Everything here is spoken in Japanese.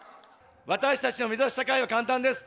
私たちが目指す社会は簡単です。